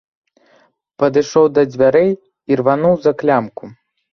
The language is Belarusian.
Падышоў да дзвярэй, ірвануў за клямку.